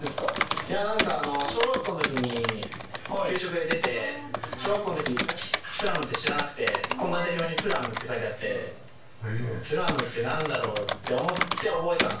いや、なんか小学校のときに給食で出て、小学校のとき、プラムって知らなくて、献立表にプラムって書いてあって、プラムってなんだろうって思って、覚えたんです。